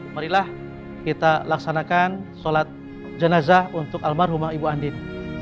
marilah kita laksanakan sholat jenazah untuk almarhumah ibu andin